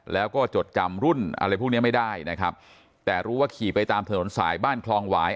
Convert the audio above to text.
แล้วก็จดจำรุ่นอะไรพวกเนี้ยไม่ได้นะครับแต่รู้ว่าขี่ไปตามถนนสายบ้านคลองหวาย